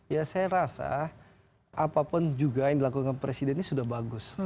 ya saya rasa apapun juga yang dilakukan presiden ini sudah bagus